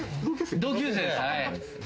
同級生です。